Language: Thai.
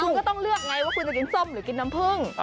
คุณก็ต้องเลือกไงว่าคุณจะกินส้มหรือกินน้ำผึ้ง